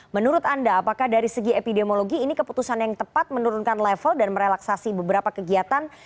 menurut anda apakah dari segi epidemiologi ini keputusan yang tepat menurunkan level dan merelaksasi beberapa kegiatan